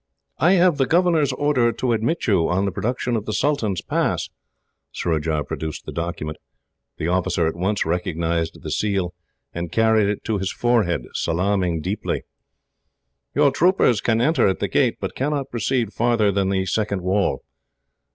"I have the governor's order to admit you, on the production of the sultan's pass." Surajah produced the document. The officer at once recognised the seal, and carried it to his forehead, salaaming deeply. "Your troopers can enter at the gate, but cannot proceed farther than the second wall."